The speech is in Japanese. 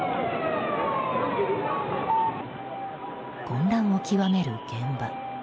混乱を極める現場。